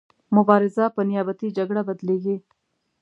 مبارزه په نیابتي جګړه بدلیږي.